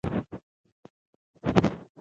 اسان علاج ئې دا دی